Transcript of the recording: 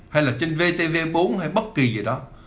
hay là trên vtv bốn hay bất kỳ gì đó